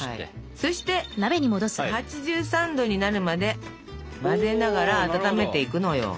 そして８３℃になるまで混ぜながら温めていくのよ。